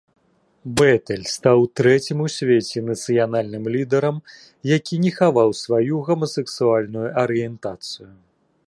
Бетэль стаў трэцім у свеце нацыянальным лідарам, якія не хаваў сваю гомасексуальную арыентацыю.